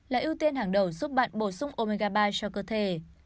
là ưu tiên hàng đầu giúp bạn bổ sung omega ba cho cơ thể